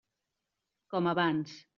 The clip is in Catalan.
Com abans.